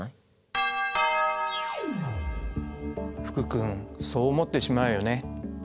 福君そう思ってしまうよね。